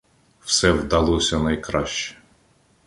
Все вдалося найкраще.